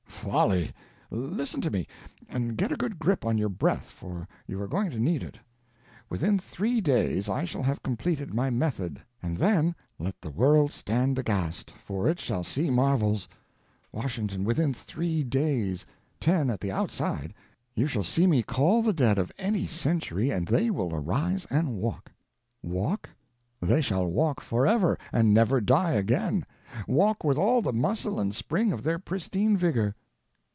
Folly—listen to me; and get a good grip on your breath, for you are going to need it. Within three days I shall have completed my method, and then—let the world stand aghast, for it shall see marvels. Washington, within three days—ten at the outside—you shall see me call the dead of any century, and they will arise and walk. Walk?—they shall walk forever, and never die again. Walk with all the muscle and spring of their pristine vigor."